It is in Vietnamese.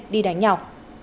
đi đánh nhau